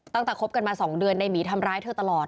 คบกันมา๒เดือนในหมีทำร้ายเธอตลอด